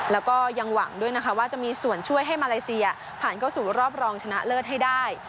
แล้วก็ยังหวังด้วยนะคะว่าจะมีส่วนช่วยให้มาเลเซียผ่านเข้าสู่รอบรองชนะเลิศให้ได้